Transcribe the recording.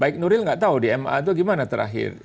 baik nuril nggak tahu di ma itu gimana terakhir